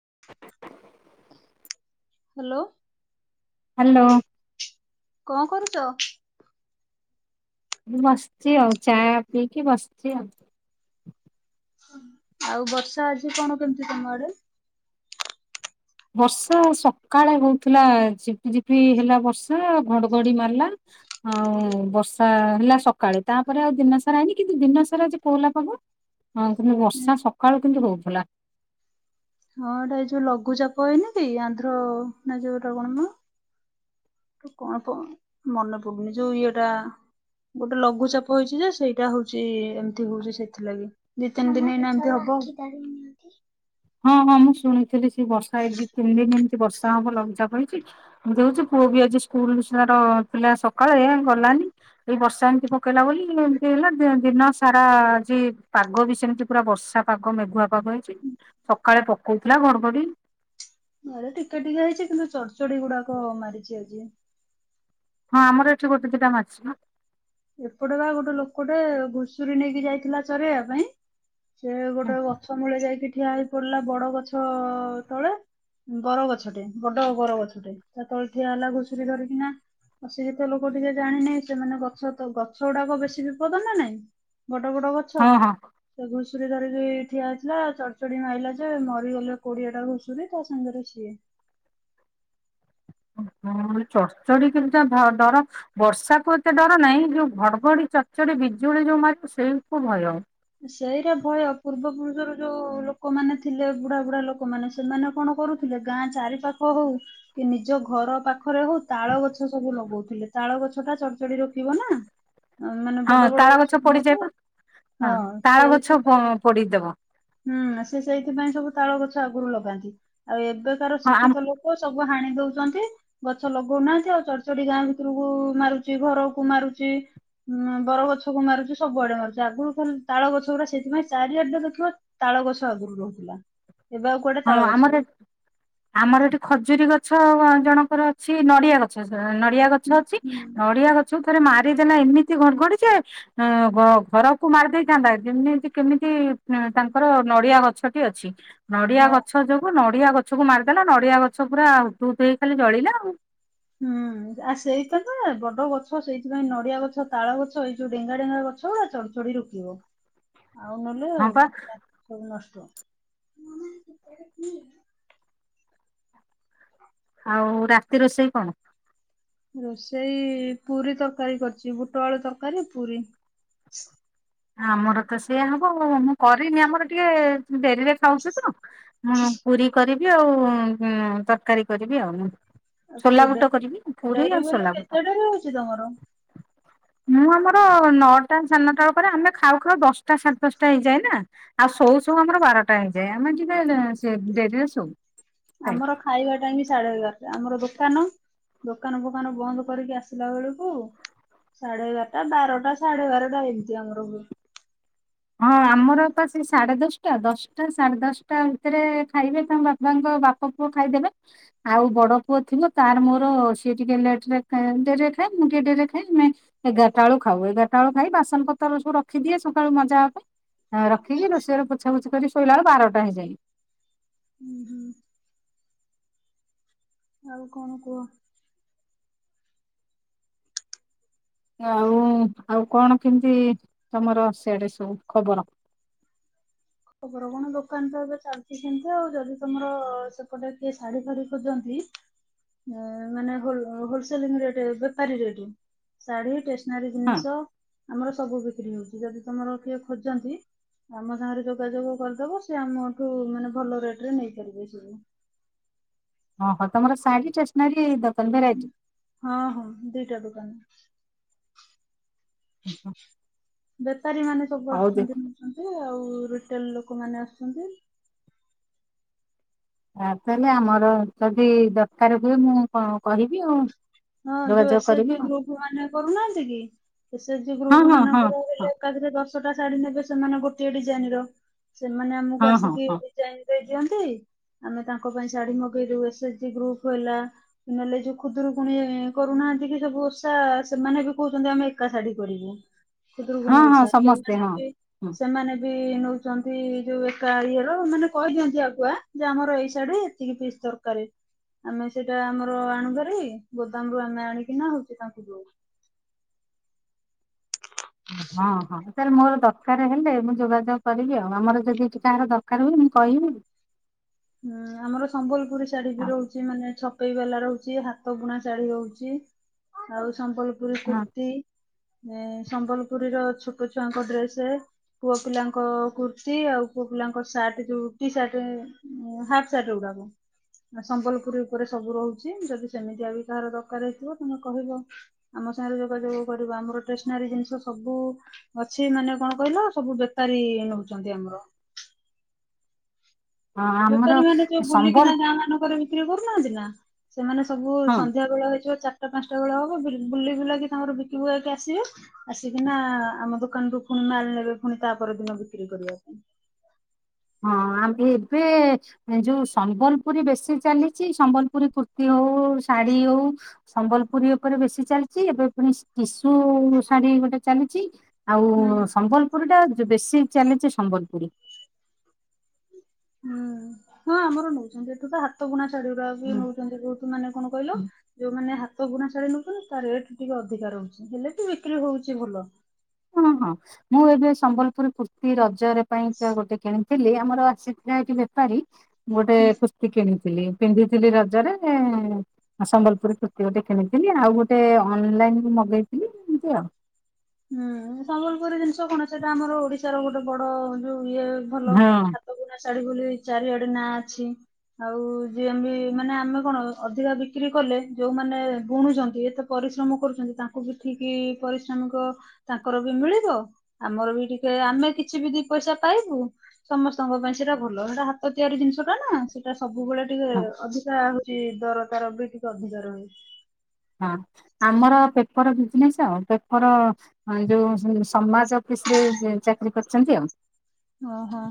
[inaudible] Hello. Hello. କଣ କରୁଚ? ବଶ୍ଚି ଆଉ ଚା ପିଇକି ବାଶ୍ଚି ଆଉ। ଆଉ ବର୍ଷା ଆଜି କଣ କେମିତି ତମ ଆଡେ ବର୍ଷା ସକାଳେ ହଉଥିଲା ଝିପିଝିପି ହେଲା ବର୍ଷା ଘଡଘଡି ମାରିଲା ହଁ ହୁଁ, ବର୍ଷ ହେଲା ସକାଳେୁ ତାପରେ ଆଉ ଦିନସାରା ହେଇନି କିନ୍ତୁ ଦିନସାରା ପୋହଲା ପବଁ କିନ୍ତୁ ବର୍ଷା ସକାଳୁ କିନ୍ତୁ ହଉଥିଲା। ହଁ ଏଇଟା ଏଇ ଯୋଉ ଲଘୁଚାପ ଏଇନ କି ଆନ୍ଧ୍ର ନା ଯୋଉ ରଗଣମା କଣ ମନେ ପଡୁନି ଯୋଉ ଇଏଟା ଗୋଟେ ଲଘୁଚାପ ହେଇଛି ଯେ ସେଇଟା ହଉଛି ଏମତି ହଉଛି ସେଥିଲାଗି ଦି ତିନି ଦିନ ହେଇନା ଏମିତି ହବ। ହଁ ହଁ ମୁଁ ଶୁଣିଥିଲି। ବର୍ଷା ଏ ବିି କଲେ କେମିତି ବର୍ଷା ହବ ଲଘୁଚାପ ହେଇଛି ଏମିତି ହଉଛି ପୁଅ ବି ଆଜି ସ୍କୁଲ ତାର ପିଲା ସକାଳେ ଗଲାନି ଏଇ ବର୍ଷା ଏମିତି ପକେଇଲା ବୋଲି ଏମିତି ହେଲା ଦିନ ସାରା ଆଜି ପାଗ ବି ସେମିତି ପୁରା ବର୍ଷା ପାଗ ମେଘୁଆ ପାଗ ହେଇଛି। ସକାଳେ ପକଉଥିଲା ଘଡଘଡି ଆରେ ଟିକେ ଟିକେ ହେଇଛି କିନ୍ତୁ ଚଢଚଡି ଗୁଡାକ ମାରିଛି ଆଜି ହଁ ଆମର ଏଠି ଗୋଟେ ଦିଟା ମାଛି ନା ଏପଟେ ବା ଗୋଟେ ଲୋକଟେ ଘୁଷୁରୀ ନେଇକି ଯାଇଥିଲା ଚରେେଇବା ପାଇଁ ସେ ଗୋଟେ ଗଛ ମୂଳେ ଯାଇକିି ଠିଆ ହେଇ ପଡିଲା ବଡ ଗଛ ତଳେ ବର ଗଛ ଟେ ବଡ ବର ଗଛ ଟେ ତା ତଳେ ଠିଆ ହେଲା ଘୁଷୁରୀ ଧରିକିନା ଅ ସେ ଯେତ ଲୋକ ଟିକେ ଜାଣିନେଇ ସେମାନେ ଗଛ ତ ଗଛ ଗୁଡାକ ବେଶି ବିପଦ ନା ନାଇଁ? ବଡ ବଡ ଗଛ ହଁ ହଁ। ସେଗୁ ଘୁଷୁରି ଧରିକି ଠିଆ ହେଇଥିଲା ଚଡ୍ ଚଡ଼ି ମାଇଲା ଯେ ମରିଗଲେ କୋଡ଼ିଏ ଟା ଘୁଶୁରି ତା ସାଙ୍ଗରେ ସିଏ। ଚଡ୍ ଚଡି କେମିତି ଆ ଡ ଡର ବର୍ଷା କୁ ଏତେ ଡର ନାହିଁ। ଯୋଉ ଘଡ୍ ଘଡ଼ି, ଚଡ୍ ଚଡ଼ି, ବିଜୁଳି ଯୋଉ ମାରିବ ସେଇଆ କୁ ଭୟ। ସେଇଟା ଭୟ ପୂର୍ବ ପୁରୁଷର ଯୋଉ ଲୋକ ମାନେ ଥିଲେ ବୁଢ଼ା ବୁଢ଼ା ଲୋକମାନେ ସେମାନେ କଣ କରୁଥିଲେ ଗାଁ ଚାରିପାଖ ହୋଉ କି ନିଜ ଘରପାଖ ପାଖରେ ହଉ ତାଳ ଗଛ ସବୁ ଲଗଉ ତାଳ ଗଛ ଟା ଚଡ୍ ଚଡି ରୋକିବ ନାଁ ଆମେ ମାନେ ହଁ ବଡ ବଡ ତାଳ ଗଛ କୁ ପଡିଯାଏ ମାରିବେ ପା ହଁ ତାଳ ଗଛ ସେଇଥିପାଇଁ ପୋଡିଦବ ହୁଁ ସେ ସେଇଥିପାଇଁ ସବୁ ତାଳ ଗଛ ଆଗରୁ ଲଗାନ୍ତି। ଆଉ ଏବେକାର ହଁ ଆମ ଶିକ୍ଷିତ ଲୋକ ସବୁ ହାଣି ଦଉ ଗଛ ଲଗଉନାହାନ୍ତି ଆଉ ଚଢ ଚଡି ଗାଁ ଭିତରକୁ ମାରୁଛି ଘରକୁ ମାରୁଛି ବର ଗଛ କୁ ମାରୁଛି ସବୁଆଡେ ମାରୁଛି ଆଗରୁ ତାଳ ଗଛ ଗୁରା ସେଥିପାଇଁ ଚାରି ଆଡେ ଦେଖିବ ତାଳ ଗଛ ଆଗରୁ ରହୁଥିଲା। ଏବେ ଆଉ କୁଆଡେ ହଁ ତାଳ ଗଛ ଆମର ବି ଆମର ଏଠି ଖଜୁରୀ ଗଛ ଗଛ ଜଣଙ୍କର ଅଛି ନଡିଆ ଗଛ ନଡିଆ ଗଛ ହୁଁ ଅଛି ହୁଁ ନଡିଆ ଗଛ ଛକୁ ଥରେ ମାରିଦେଲା ଏମିତି ଘଡ୍ ଘଡି ଜେ ଘରକୁ ମାରିଦେଇ ଥାଆନ୍ତା କେମିତି କେମିତି ତାଙ୍କର ନଡ଼ିଆ ଗଛ ବି ଅଛି। ନଡିଆ ହଁ ଗଛ ଯୋଗୁ ନଡିଆ ଗଛ ଗଛକୁ ମାରିଦେଲା ନଡ଼ିଆ ଗଛ ପୁରା ହୁତୁ ହୁତୁ ହେଇ ଖାଲି ଜଳିଲା ଆଉ ହୁଁ ଆ ସେଇଥି ତ ବଡ ଗଛ ସେଇଥିପାଇଁ ନଡିଆ ଗଛ ତାଳ ଗଛ ଏଇ ଯୋଉ ଡେଙ୍ଗା ଡେଙ୍ଗା ଗଛ ଗୁରା ଚଡ୍ ଚଡି ରୋକିବ। ଆଉ ନେଲେ ହଁ ଆଉ ପା ସବୁ ନଷ୍ଟ [inaudible] ଆଉ ରାତି ରୋଷେଇ କଣ? ରୋଷେଇ ପୁରୀ ତରକାରୀ କରିଛି ବୁଟ ଆଳୁ ତରକରୀ ପୁରୀ। ଆମର ତ ସେଇଆ ହବ ମୁଁ କରିନି ଆମର ଟିକେ ଡେରିରେ ଖାଉଛୁ ତ ମୁଁ ପୁରୀ କରି ଆଉ ତରକାରୀ କରିବି ଆଉ ସୋଲା ବୁଟ କରିବି [unintelligible] ପୁରୀ ଡେରି ଆଉ ବୋଲି ସୋଲା ବୁଟ କେତେ ଡେରି ହୋଉଛି ତମର? ମୁଁ ଆମର ନଟା ସାଢେ ନଟା ବେଳକୁ ତାପରେ ଆମେ ଖାଉ ଖାଉ ଦଶଟା ସାଢ଼େ ଦଶଟା ହେଇ ଯାଏ ନା ଶୋଉ ଶୋଉ ବାରଟା ଆମେ ଟିକେ ସେ ଡେରିରେ ସ। ଆମର ଖାଇବା ଟାଇମ୍ ସାଢ଼େ ଏଗାରଟା ଆମର ସାଢ଼େ ନଅ ଦୋକାନ ଫୋକନ ବନ୍ଦ୍ କରିକି ଆସିଲାବେଳକୁ ସାଢ଼େ ବାରଟା ବାରଟା ସାଢ଼େ ବାରଟା ଏମିତି ଆମର ହୁଏ। ହଁ ଆମର ପା ସେଇ ସାଢ଼େ ଦସ୍ ଟା, ଦସ୍ ଟା ସାଢ଼େ ଦସ୍ ଟା ଭିତରେ ଖାଇବେ ତାଙ୍କ ବାପାଙ୍କ ବାପ ପୁଅ ଖାଇ ଦେବେ ଆଉ ବଡ ପୁଅ ଥିବ ତାର ମୋର ସିଏ ଟିକେ ଲେଟ୍ ରେ ଖାଏ ଡେରିରେ ଖାଏ ମୁଁ ଟିକେ ଡେରିରେ ଖାଏ ଏଗାର ଟା ବେଳକୁ ଖାଉ ବାସନ ପତ୍ର ସବୁ ରଖିଦିଏ ସଖାଳୁ ମଜା ହ [inaudible] ରଖିକି ରୋଷେଇ ଘର ପୋଛାପୋଛି କରି ଶ୍ ଶୋଇଲା ବେଳୁ ବାରଟା ହେଇଯାଏ। ଉଁ ହୁଁ ଆଉ କଣ କୁହ? ଆଉ ଆଉ କଣ କେମିତି ତମର ସ୍ୟାଡେ ସବୁ ଖବର? ଖବର କଣ ଦୋକାନ ତ ଏବେ ଚାଲିଚି ସେମିତି ଆଉ ଯଦି ତମର ସେପଟେ କିଏ ଶାଢୀ ଫାଢୀ ଖୋଜନ୍ତି ଉଁ ମାନେ ହୋ-ହୋଲସେଲିଂ ରେଟେ ବେପାରୀ ରେଟ ଶାଢୀ ଟେସ୍ ନାରୀ ହଁ ଜିନିଷ ଆମର ସବୁ ବିକ୍ରି ହୋଉ ଯଦି ତମର କିଏ ଖୋଜନ୍ତି ଆମ ସାଙ୍ଗରେ ଯୋଉ ଯୋଗାଯୋଗ କରିଦବ ସେ ଆମଠୁ ମାନେ ଭଲ ରେଟରେ ନେଇପାରିବେ ସବୁ। ଓହୋ ତମର ଶାଢୀ ଷ୍ଟେସନାରୀ ଦ ଉଁ ହଁ ହଁ ଦିଟା ଦୋକାନ। ଓହୋ। ବେପାରୀମାନେ ସବୁ ଆସୁଛନ୍ତି ନୋଉଛନ୍ତି ଆଉ ରୋଟେଲ ଲୋକମାନେ ଆସଛନ୍ତି। ଆଉ ତାହେଲେ ଆମର ଯଦି ଦରକାର ହୁଏ ମୁଁ କ-କହିବି ଆଉ। ହଁ ଯୋଉ ଯୋଗାଯୋଗ ଏସେ ଏଚେ କରିବି ଜିି ଗ୍ରୁପମାନେ କରୁନାହାନ୍ତି କି ଏସେ ଏଚେ ଜିି ଆଉ ହଁ ହଁ ଗ୍ରୁପମାନଙ୍କରେ ହେଲେ ହଁ ଏକାଫରେ ଦଶ ଶଟା ଶାଢୀ ନେବେ ସେମାନେ ଗୋଟଏ ଡିଜାଇନର। ସେମାନେ ଆମକୁ ହଁ ହଁ ହଁ ଆସିକି ହଁ ଡିଜାଇନ ଦେଇ ଦିଅନ୍ତି ଆମେ ତାଙ୍କ ପାଇଁ ଶାଢୀ ମଗେଇଦୋଉ ଏସେ ଏଚେ ଜି ଗ୍ରୁପୁ ହେଲା ନହଲେ ଯୋଉ ଖୁଦରୁ ପୁଣି କରୁନାହାନ୍ତି କି ସବୁ ଓଷା ସେମାନେ ବି କୋହୁଚନ୍ତି ଆମେ ଏକା ଶାଢୀ କରିବୁ। ଖୁଦୁରୁକୁଣୀ ହଁ ହଁ ଓଷା ସମସ୍ତେ ସେମାନେ ହଁ ବି ସେମାନେ ବି ନୋଉଚନ୍ତି ଯୋଉ ଏକା ଇଏର ମାନେ କହିଦିଅନ୍ତି ଆଗୁଆ ଯେ ଆମର ଏଇ ଶାଢୀର ଏତିକି ଫିସ୍ ଦରକାରେ ଆମେ ସେଇଟା ଆମର ଆଣୁଭାରି ଗୋଦାମରୁୁ ଆମେ ଆଣିକିନା ହୋଉଚି ତାଙ୍କୁ ଦୋଉ। ହଁ ହଁ ତାହେଲେ ମୋର ଦରକାରେ ହେଲେ ମୁଁ ଯୋଗାଯୋଗ କରିବି ଆ ଆମର ଯଦି ଏଠି କାହାର ଦର କାର ମୁଁ କହିବି ହୁଁ ଆମର ସମ୍ବଲପୁରୀ ଶାଢୀ ବି ଆଉ ରହୁଛି ମାନେ ଛ ରି ବାଲା ରହୁଚି ହାତ ବୁଣା ଶାଢୀ ରହୁଚି ଆଉ ସମ୍ବଲ ପୁରୀ ହଁ କୁର୍ତ୍ତି ଏ ସମ୍ବଲପୁରୀର ଛୋଟ ଛୁଆଙ୍କ ଡ୍ରେସେ ପୁଅପିଲାଙ୍କ କୁର୍ତ୍ତୀ ଆଉ ପୁଅ ପିଲାଙ୍କ ସାର୍ଟେ ଯୋଉ ଟି ସାର୍ଟେ ହାପ ସାଟଗୁଡାକ ଆ ସମ୍ବଲପୁରୀ ଉପରେ ସବୁ ରହୁଚି ଯଦି ସେମିତିଆ ବି କାହାର ଦରକାରେ ହେଇଥିବ ତମେ କହିବ ଆମ ସାଙ୍ଗରେ ଯୋଗାଯୋଗ କରିବ ଆମର ଟେସନାରୀ ଜିନିଷ ସବୁ ଅଛି ମାନେ କଣ କହିଲ ସବୁ ବେପାରୀ ନୋଉଚନ୍ତି ଆମର। ହଁ ଆମର ବେପାରୀ ମାନେ ଯୋଉ ସମ୍ବଲ ବୁଲିକିନା ଗାଁମାନଙ୍କରେ ବିକ୍ରିକରୁ ନାହାନ୍ତି ନା ସେମାନେ ସବୁ ହଁ ସନ୍ଧ୍ୟାବେଳ ହେଇଯିବ ଚାର୍ ଆଟା ପାଞ୍ଚଟା ବେଳ ହବ ବୁଲି ବୁଲି ବୁଲାକି ତାଙ୍କର ବିକିବାକୁ ଆସିବେ ଆସିକିନା ଆମ ଦୋକାନରୁୁ ପୁଣି ମାଲ ନେବେ ପୁଣି ତା ପରଦିନ ବିକ୍ରି କରିବା ପାଇଁ। ହଁ ଆଉ ଏ ଏବେ ଯୋଉ ସମ୍ବଲପୁରୀ ବେଶୀ ଚାଲିଚି ସମ୍ବଲପୁରୀ କୁର୍ତ୍ତୀ ହୋଉ ଶାଢୀ ହୋଉ ସମ୍ବଲପୁରୀ ଉପରେ ବେଶୀ ଚାଲଚି ଏବେ ପୁଣି ଟିଶୁ ଶାଢୀ ଗୋଟେ ଚାଲିଚି। ଆଉ ହୁଁ ସମ୍ବଲପୁରୀଟା ବେଶୀ ଚାଲିଚି ସମ୍ବଲପୁରୀ ହୁଁ ହଁ ଆମର ନେଉଛନ୍ତି ଏଠୁ ତ ହାତ ବୁଣା ଶାଢୀ [unintelligible] ବି ହୁଁ ନଉଛନ୍ତି ବହୁତୁ ମାନେ କଣ କହିଲ ହୁଁ। ଯୋଉମାନେ ହା ହାତ ବୁଣା ଶାଢି ନୋଉଛନ୍ତି ତା ରେଟ ଟିକେ ଅଧିକା ରହୁଛି ହେଲେ ବି ବିକ୍ରି ହଉଛି ଭଲ। ହଁ ହଁ ମୁଁ ଏବେ ସମ୍ବଲପୁର କୃତି ର [unintelligible] ପାଇଁକା ଗୋଟେ କିଣି ଥିଲି ଆମର ଆସିଥିଲା ଏଠି ବେପାରୀ ମୁଁ ଗୋଟେ କୁସ୍ତି କିଣିି ପିନ୍ଧିଥିଲି ରଜରେ ସମ୍ବଲପୁରୀ କୁର୍ତ୍ତି ଗୋଟେ କିଣିଥିଲି ଆଉ ଗୋଟେ ଅନଲାଇନ ମଗେଇଥିଲି ଏମତି ଆଉ। ହୁଁ ସମ୍ବଲପୁରୀ ଜିନିଷ କଣ ସେଇଟା ଆମର ଓଡିଶାର ଗୋଟେ ବଡ ଯୋଉ [unintelligible] ଭଲ ହଁ। ହାତକୁ ଶାଢୀ ବୋଲି ଚାରିଆଡେ ନାଁ ଅଛି ଆଉ ଯିଏବି ମାନେ ଆମେ କଣ ଅଧିକା ବିକ୍ରି କଲେ ଯୋଉମାନେ ବୁଣୁଛନ୍ତି ଏତେ ପରିଶ୍ରମ କରୁଛନ୍ତି ତାଙ୍କୁ ବି ଠିକ ପରିଶ୍ରମିକ ତାଙ୍କର ବି ମିଳିବ ଆମର ବି ଟିକେ ଆମେ କିଛି ବି ଦି ପଇସା ପାଇବୁ ସମସ୍ତଙ୍କ ପାଇଁ ସେଇଟା ଭଲ ସେଟା ହାତ ତିଆରି ଜିନିଷ ଟା ନା ସେଇଟା ସବୁ [unintelligible] ଟିକେ ହଁ ଅଧିକା ହଉଛି ଦର ତାର ବି ଟିକେ [unintelligible] ରହେ ହଁ ଆମର ପେପର ବିଜନେସ୍ ଆଉ ପେପର ଯୋଉ ସମାଜ ଅଫିସରେ ଯେ କରିଛନ୍ତି ଆଉ ଓହୋ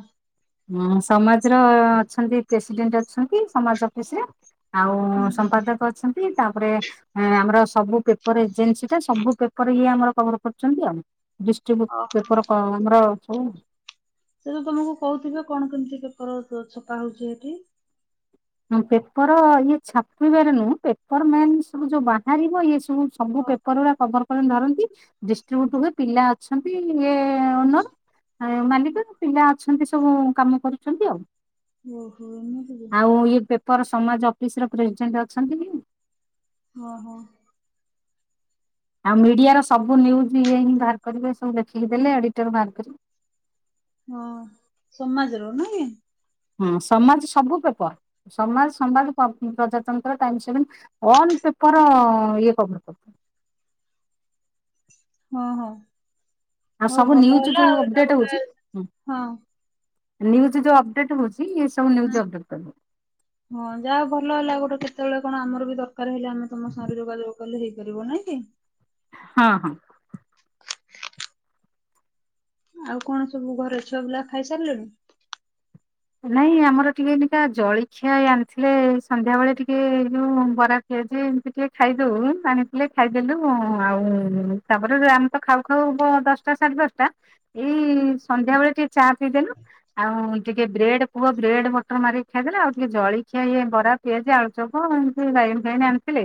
ହ ସମାଜର ଅଛନ୍ତି ପ୍ରେସିଡେଣ୍ଟ ଅଛନ୍ତି ସମାଜ ଅଫିସରେ ଆଉ ସମ୍ପାଦକ ଅଛନ୍ତି। [unintelligible] ତାପରେ ଆମର ସବୁ ପେପର ଏଜେନ୍ସି ଟା ସବୁ ପେପର ହିଁ ଆମର କଭର କରୁଛନ୍ତି ଆଉ। ଓହୋ। ଡିଷ୍ଟିବ୍ୟୁଟ ପେପର କ ଆମର [inaudible] ସେ ତ ତମକୁ କହୁଥିବେ କଣ କେମିତି ପେପର ଛପା ହଉଛି ସେଠି। ହଁ ପେପର ଇଏ ଛାପିବାରେ ନୁହଁ ପେପର ମେନ୍ ସବୁ ଯୋଉ ବାହାରିବ ଇଏ ସବୁ ପେପର ରା କଭର୍ କରି ଧରନ୍ତି ଦିଷ୍ଟିବିୟୁଟ ହୁଏ ପିଲା ଅଛନ୍ତି ଇଏ ଓନର ମାଲିକ ପିଲା ଅଛନ୍ତି ସବୁ କାମ କରୁଛନ୍ତି ଆଉ। ଓହୋ [unintelligible] ଆଉ ଇଏ ପେପର ସମାଜ ଅଫିସ ର ପ୍ରେସିଡେଣ୍ଟ ଅଛନ୍ତି ଓ ହୋ। ଆଉ ମିଡିଆର ସବୁ ନ୍ୟୁଜ ଇଏ ହିଁ ବାହାର କରିବେ ସବୁ ଦେଖିକି ଦେଲେ ଏଡିଟର ବାହାର କରିବ ହଁ ସମାଜର ନାଇ। ହଁ ସମାଜ ସବୁ ପେପର ସମାଜ ସମାଜ ପ୍ରଜାତନ୍ତ୍ର [unintelligible] ଅଲ ପେପର ଇଏ କଭର [unintelligible] ହଁ ହଁ। ଆଉ ହଉ ସବୁ ଭଲ ନ୍ୟୁଜ ହେଲା ଯୋଉ ଆଉ ଏଇଟା ଅପଡେଟ ଗୋଟେ ହଉଛି ହଁ ନ୍ୟୁଜ୍ ଯଉଁ ବ- ଅପଡେଟ୍ ହଉଛି ଇଏ ସବୁୁ ହଁ ନିୟୁଜ ଅପଡେଟ [unintelligible] ହଁ ଯାହା ଭଲ ହେଲା ଗୋଟେ କେତେବେଳେ କଣ ଆମର ବି ଦରକାର ହେଲେ ଆମେ ତମ ଶରୀର ଯୋଗାଯୋଗ କଲେ ହେଇପାରିବ ନାଇଁ କି? ହଁ ହଁ। ଆଉ କଣ ସବୁ ଘର ଛୁଆ ପିଲା ଖାଇ ସାରିଲେଣି? ନାଇଁ ଆମର ଟିକେ ଏନକା ଜଳଖିଆ ଆଣିଥିଲେ ସନ୍ଧ୍ୟା ବେଳେ ଟିକେ ଏଇ ଯୋଉ ବରାଖିଆ ଯେ ଏମିତି ଟିକେ ଖାଇଦଉ ଆଣିଥିଲେ ଖାଇଦେଲୁ ଆଉ ତାପରେ ଆମେ ତ ଖାଉ ଖାଉ ହବ ଦଶଟା ସାଢେ ଦଶଟା ଏଇ ସନ୍ଧ୍ୟା ବେଳେ ଟିକେ ଚା ପିଇଦେଲୁ ଆଉ ଟିକେ ବ୍ରେଡ଼୍ ପୁଅ ବ୍ରେଡ଼୍ ମଟର ମାରିକି ଖାଇଦେଲେ ଆଉ ଟିକେ ଜଳଖିଆ ବରା, ପିଆଜି, ଆଳୁଚପ୍, ଏମିତି ବାଇଗଣୀ ଫାଇଗଣୀ ଆଣିଥିଲେ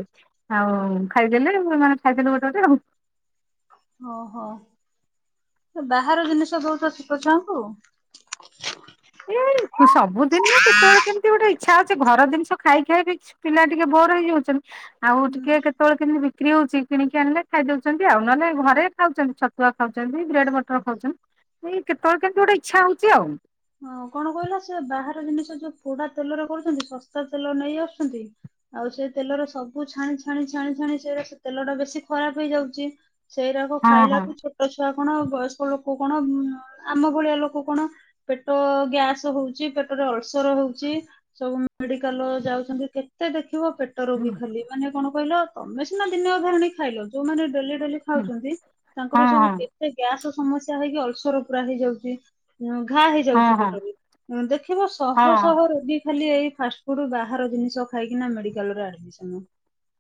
ଆଉ ଖାଇଦେଲେ ମାନ ଖାଇଦେଲେ ଗୋଟେ ଗୋଟେ ଆଉ ଓହୋ ବାହାର ଜିନିଷ ଦଉଛ ଛୋଟ ଛୁଆଙ୍କୁ? ଏଇ ସବୁଦିନ କେତେବେଳେ କେମିତି ଗୋଟେ ଇ୍ଛା ହଉଛି ଘର ଜିନିଷ ଖାଇ ଖାଇ ବି ପିଲା ଟିକେ ବୋର ହେଇଯାଉଛନ୍ତି ଆଉ ଟିକେ କେତେବେଳେ କେମିତି ବିକ୍ରି ହଉଛି କିଣିକି ଆଣିଲେ ଖାଇଦଉଛନ୍ତି ଆଉ ନହେଲେ ଘରେ ଖାଉଛନ୍ତି ଛତୁଆ ଖାଉଛନ୍ତି, ବ୍ରେଡ ବଟର ଖାଉଛନ୍ତି ଏ କେତେବେଳେ କେମିତି ଗୋଟେ ଇଚ୍ଛା ହଉଛି ଆଉ ହଁ କଣ କହିଲା ସେ ବାହାର ଜିନିଷ ଯୋଉ ପୋଡା ତେଲରେ କରୁଛନ୍ତି ଶସ୍ତା ତେଲ ନେଇ ଆସୁଛନ୍ତି ଆଉ ସେ ତେଲର ସବୁ ଛାଣି ଛାଣି ଛାଣି ଛାଣି ସେ ତେଲ ଟା ବେଶୀ ଖରାପ ହେଇଯାଉଛି ସେଇରାକୁ ହଁ ଖାଇଲା ହଁ ବି ଛୋଟ ଛୁଆ କଣ ବୟସ୍କ ଲୋକ କଣ ଆମ ଭଳିଆ ଲୋକ କଣ ପେଟ ଗ୍ୟାସ ହଉଛି ପେଟରେ ଅଳସର ହଉଛି ସବୁ ମେଡିକାଲ ଯାଉଛନ୍ତି କେତେ ଦେଖ? ରଖିବ ପେଟ ରୋଗୀ ଖାଲି ମାନେ କଣ କହିଲ? ତମେ ସିନା ଦିନେ ଅଧେ ଆଣି ଖାଇଲ ଯୋଉମାନେ ଡେଲି ଖାଉଙ୍କର ହଁ [unintelligible] ହଁ ସମସ୍ୟା ହେଇକି ଅଳସର ପୁରା ହେଇଯାଉଛି। ଘା ହଁ ହେଇଯାଉଛି ହଁ ପେଟରେ ଦେଖିବ ଶହ ହଁ ଶହ ରୋଗୀ ଖାଲି ଏଇ ଫାଷ୍ଟ ଫୁଡ ବାହାର ଜିନିଷ ଖାଇକି ମେଡି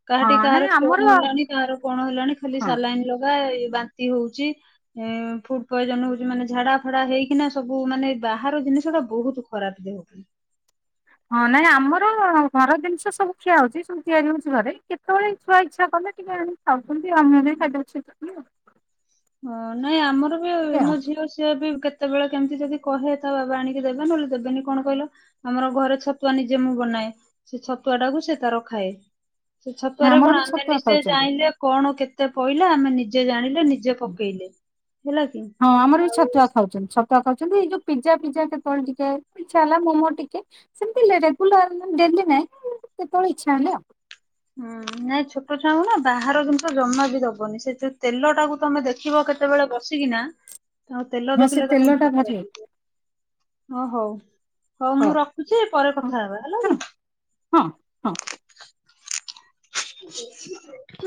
କାହାଠି ହଁ କାହାର ନାଇଁ ଆମର ଷ୍ଟୋନ ହେଲାଣି, କାହାର କଣ ହେଲାଣି, ଖାଲି ହଁ ସାଲାଇନ୍ ଲଗା ବାନ୍ତି ହଉଛି ଫୁଡ ପଏଜନ ହଉଛି ମାନେ ଝାଡା ଫାଡା ହେଇକିନା ସବୁ ମାନେ ବାହାର ଜିନିଷ ଟା ବହୁତ ଖରାପ ଦେହ ପାଇଁ ହଁ ନାଇଁ ଆମର ଘର ଜିନିଷ ସବୁ ଖିଆ ହଉଛି, ସବୁ ତିଆରି ହଉଛି ଘରେ, କେତେବେଳେ ଛୁଆ ଇଛା କଲେ ଟିକେ ଖାଉ କତି ଆଣରେ ସାଟା ଅଛି [unintelligible] ହଁ ନାଇଁ ଆମର ମୋ ଝିଅ ଝିଅ ବି କେତେ? କେତେବେଳେ କେମିତି ଯଦି କହେ ତା ବାବା ଆଣିକି ଦେବେ ନହେଲେ ଦେବେନି, କଣ କହିଲ -ଆମର ଘରେ ଛତୁଆ ନିଜେ ମୁଁ ବନାଏ, ସେ ଛତୁଆ ଟାକୁ ସେ ତାର ଖାଏ ସେ ଛତୁଆରେ ଆମର କଣ ବି ଆମେ ଛତୁଆ ନିଶ୍ଚୟ ଖାଉଛନ୍ତି। ଜାଇଁଲେ କଣ କେତେ କେତେ ପଇଲା ଆମେ ନିଜେ ଜାଣିଲେ ନିଜେ ପକେଇଲେ ହେଲା କି? କହୁଛନ୍ତି ଏଇ ଯୋଉ ପିଜା ପିଜା, କେତେବେଳେ ଟିକେ ଇଛା ହେଲା, ମୋମୋ ଟିକେ, ସେମତି ରେଗୁଲାର ଡେଲି ନାଇଁ କେତେବେଳେ ଇଛା ହେ ଆଉ ହୁଁ ନାଇଁ ଛୋଟ ଛୁଆଙ୍କୁ ନା ବାହାର ଜିନିଷ ଜମା ବି ଦବନି ସେ ଯୋଉ ତେଲ ଟାକୁ ତମେ ଦେଖିବ କେତେବେଳେ ବସିକିନା ଆଉ ତେଲ ହଁ ସେ ଦେଖିଲେ ତମ ତେଲ ଟା ମୁଣ୍ଡ କଣ ଭାରି ହେଇଯିବ, ଓ ହଉ ହଁ ମୁଁ ରଖୁଛି ପରେ ହଁ କଥା ହେବା ହେଲା ହଁ କିି? ହଁ। [inaudible]